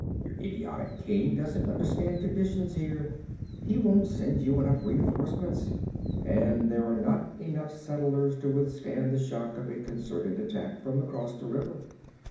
Your idiotic king doesn't understand conditions here. He won't send you enough reinforcements, and there are not enough settlers to withstand the shock of a concerted attack from across the river.'